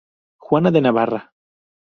Juana de Navarra